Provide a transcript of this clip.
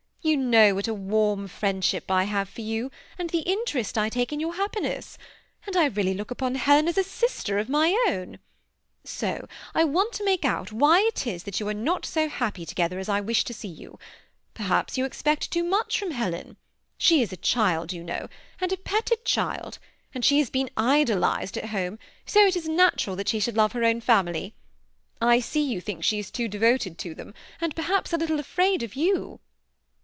You know what a warm friendship I have for you, and the interest I take in your happiness ; and I really look upon Helen as a sister of my own. So I want to make out why it is that you are not so happy together as I wish to THE SEMI ATTACHED COUPLE. 121 see you. Perhaps you expect too much from Helen. She is a child, you know, and a petted child ; and she has been idolized at home, so it is natural that she should love h^ own family. I see you think she is too much devoted to them, and perhaps a little afraid of you."